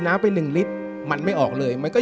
รายการต่อไปนี้เป็นรายการทั่วไปสามารถรับชมได้ทุกวัย